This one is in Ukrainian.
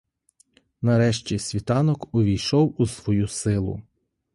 Нарешті, світанок увійшов у свою силу.